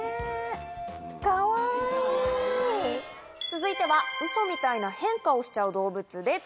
続いては、ウソみたいな変化をしちゃう動物です。